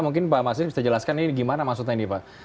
mungkin pak masin bisa jelaskan ini gimana maksudnya ini pak